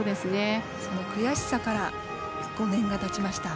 その悔しさから５年がたちました。